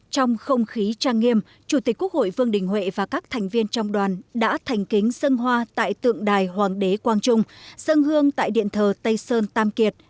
trong không khí trang nghiêm chủ tịch quốc hội vương đình huệ và các thành viên trong đoàn đã thành kính dân hoa tại tượng đài hoàng đế quang trung dân hương tại điện thờ tây sơn tam kiệt